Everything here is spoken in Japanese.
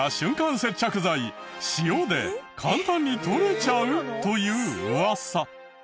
接着剤塩で簡単に取れちゃう？というウワサ。